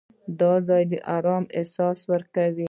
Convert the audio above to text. دا ځای د آرام احساس راکوي.